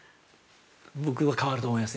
◆僕は変わると思います